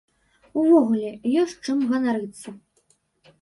Увогуле, ёсць чым ганарыцца!